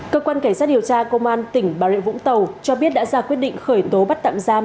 cơ quan cảnh sát điều tra công an tỉnh bà rịa vũng tàu cho biết đã ra quyết định khởi tố bắt tạm giam